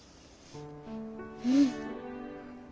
うん。